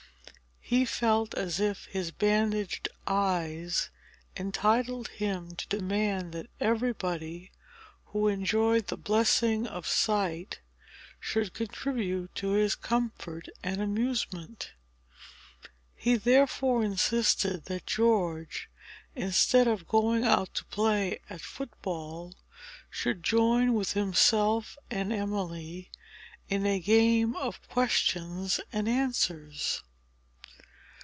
He felt as if his bandaged eyes entitled him to demand that everybody, who enjoyed the blessing of sight, should contribute to his comfort and amusement. He therefore insisted that George, instead of going out to play at foot ball, should join with himself and Emily in a game of questions and answers.